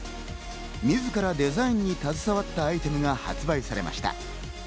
自らデザインに携わったアイテムが発売されました。